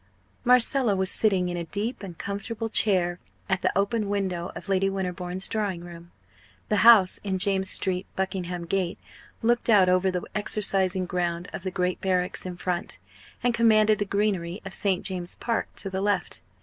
Marcella was sitting in a deep and comfortable chair at the open window of Lady Winterbourne's drawing room. The house in James Street, Buckingham Gate looked out over the exercising ground of the great barracks in front, and commanded the greenery of St. James's Park to the left.